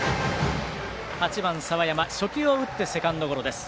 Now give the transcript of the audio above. ８番、澤山初球を打ってセカンドゴロ。